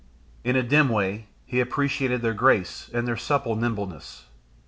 In a dim way he appreciated their grace and their supple nimbleness.